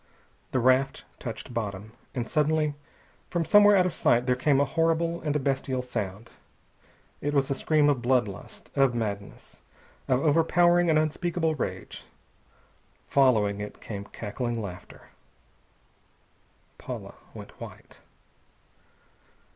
The raft touched bottom. And suddenly from somewhere out of sight there came a horrible and a bestial sound. It was a scream of blood lust, of madness, of overpowering and unspeakable rage. Following it came cackling laughter. Paula went white.